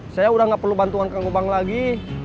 saya udah gak perlu bantuan ke gubang lagi